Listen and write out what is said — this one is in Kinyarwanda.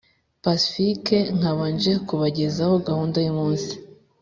pacifique nkaba nje kubagezaho gahunda yumunsi